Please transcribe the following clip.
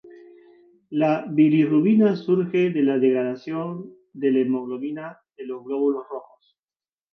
La bilirrubina surge de la degradación de la hemoglobina de los glóbulos rojos.